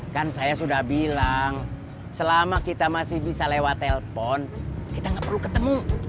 kan saya sudah bilang selama kita masih bisa lewat telpon kita nggak perlu ketemu